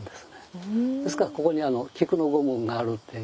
現在ですからここに菊の御紋があるっていう。